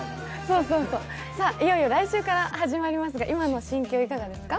いよいよ来週から始まりますが、今の心境はいかがですか？